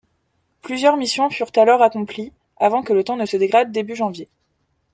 Plusieurs missions furent alors accomplies avant que le temps ne se dégrade début janvier.